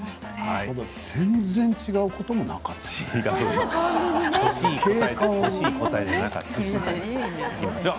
全然違うこともなかったよね？